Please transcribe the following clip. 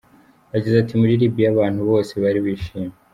Yagize ati "Muri Libyia abantu bose bari bishimye.